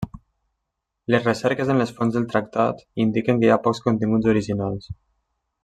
Les recerques en les fonts del Tractat indiquen que hi ha pocs continguts originals.